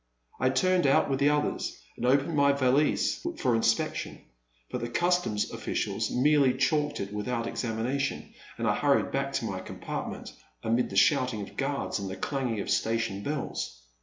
I turned out with the others, and opened my valise for inspec tion, but the customs officials merely chalked it without examination, and I hurried back to my compartment amid the shouting of guards and the clanging of station bells.